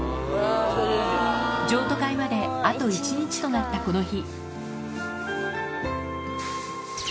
譲渡会まであと１日となったこの日。